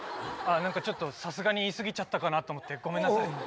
なんかちょっと、さすがに言い過ぎちゃったかなと思って、ごめんなさい。